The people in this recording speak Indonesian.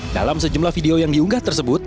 dalam sejumlah video yang diunggah tersebut